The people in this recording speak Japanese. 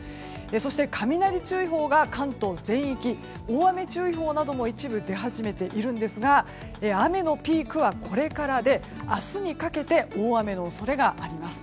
そして雷注意報が関東全域大雨注意報なども一部で出ていますが雨のピークはこれからで明日にかけて大雨の恐れがあります。